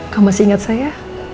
kamu masih ingat saya